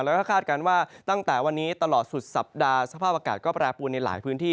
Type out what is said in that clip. แล้วก็คาดการณ์ว่าตั้งแต่วันนี้ตลอดสุดสัปดาห์สภาพอากาศก็แปรปวนในหลายพื้นที่